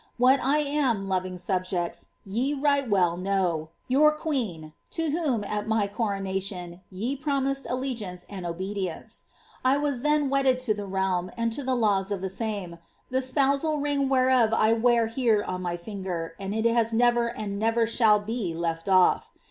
What I am, loving subjects, yc right well know — yuur queen, to whom, at my coronation, ye promised allegiance and obedience ! I was then wedded to tlie realm, and to the laws of tlie same, the spousal ring whereof I wear here on my finger, and it never has and never shall be left olf.